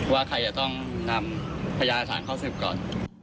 ว่าใครจะต้องนำพญาอาชารข้อเสนอก่อน